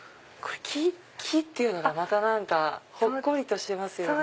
木っていうのがまたほっこりとしますよね。